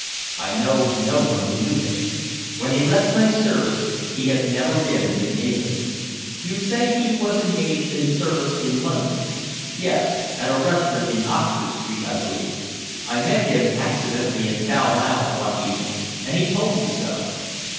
"I know no one who knew him. When he left my service he had never been in England." "You say he was engaged in service in London?" "Yes, at a restaurant in Oxford Street, I believe. I met him accidentally in Pall Mall one evening, and he told me so."